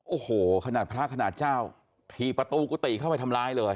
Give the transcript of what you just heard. โอ้โหขนาดพระขนาดเจ้าถี่ประตูกุฏิเข้าไปทำร้ายเลย